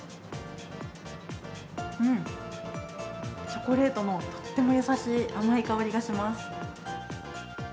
うん、チョコレートのとっても優しい甘い香りがします。